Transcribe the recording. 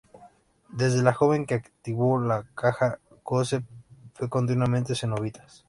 Desde la noche que activó la caja, Joseph ve continuamente cenobitas.